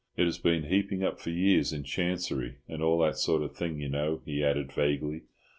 It has been heaping up for years in Chancery, and all that sort of thing, you know," he added, vaguely.